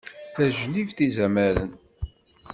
Tajlibt izamaren.